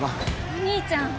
お兄ちゃん！